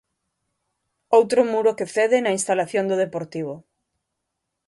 Outro muro que cede na instalación do Deportivo.